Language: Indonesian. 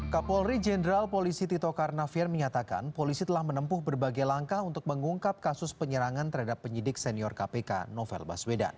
kapolri jenderal polisi tito karnavian menyatakan polisi telah menempuh berbagai langkah untuk mengungkap kasus penyerangan terhadap penyidik senior kpk novel baswedan